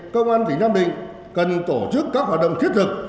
công an tỉnh nam định cần tổ chức các hoạt động thiết thực